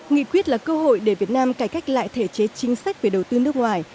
nghị quyết là cơ hội để việt nam cải cách lại thể chế chính sách về đầu tư nước ngoài